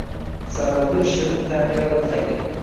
Sababi shirin ta`mga odatlangan